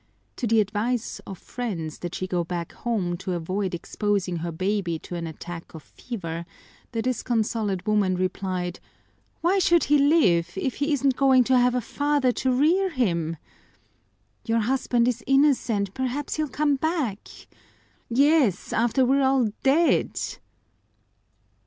To the advice of friends that she go back home to avoid exposing her baby to an attack of fever, the disconsolate woman replied, "Why should he live, if he isn't going to have a father to rear him?" "Your husband is innocent. Perhaps he'll come back." "Yes, after we're all dead!"